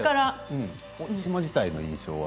島自体の印象は？